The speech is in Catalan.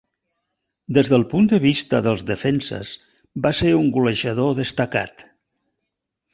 Des del punt de vista dels defenses, va ser un golejador destacat.